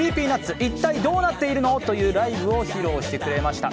一体どうなっているの？というライブを披露してくれました。